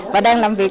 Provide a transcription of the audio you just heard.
và đang làm việc